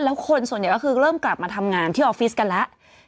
แล้วคนส่วนใหญ่ก็คือเริ่มกลับมาทำงานที่ออฟฟิศกันแล้ว